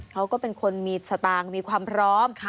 เขาก็เป็นคนมีสตางค์มีความพร้อม